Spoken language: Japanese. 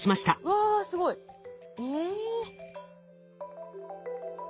わすごい。え？